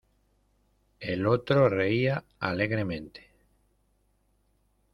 el otro reía alegremente: